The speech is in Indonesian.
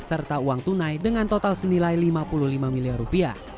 serta uang tunai dengan total senilai lima puluh lima miliar rupiah